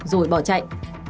rồi bỏ chạy